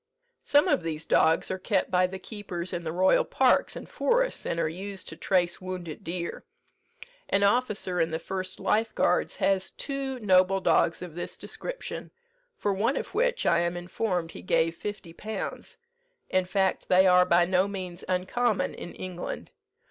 Some of these dogs are kept by the keepers in the royal parks and forests, and are used to trace wounded deer. An officer in the 1st Life Guards has two noble dogs of this description, for one of which, I am informed, he gave fifty pounds. In fact, they are by no means uncommon in England.